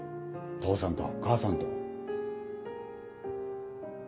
父さんと母さんと。